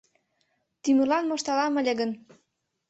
Тӱмырлан мошталам ыле гын